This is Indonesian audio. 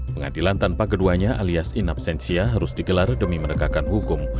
pengadilan tanpa keduanya alias in absensia harus digelar demi menegakkan hukum